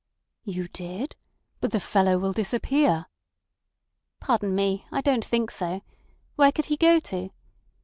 "You did? But the fellow will disappear." "Pardon me. I don't think so. Where could he go to?